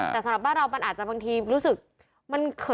แต่สำหรับบ้านเรามันอาจจะบางทีรู้สึกมันเขิน